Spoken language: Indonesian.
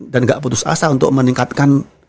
dan gak putus asa untuk meningkatkan